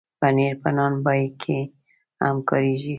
پنېر په نان بای کې هم کارېږي.